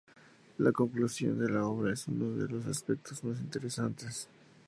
La conclusión de la obra es uno de los aspectos más interesantes.